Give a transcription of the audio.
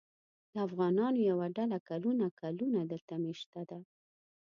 د افغانانو یوه ډله کلونه کلونه دلته مېشته ده.